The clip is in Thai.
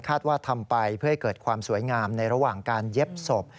ว่าทำไปเพื่อให้เกิดความสวยงามในระหว่างการเย็บศพ